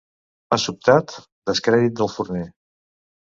Pa sobtat, descrèdit del forner.